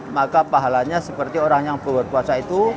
maka pahalanya seperti orang yang berpuasa itu